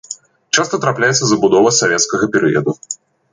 Часта трапляецца забудова савецкага перыяду.